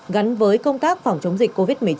gắn với công tác phòng chống dịch covid một mươi chín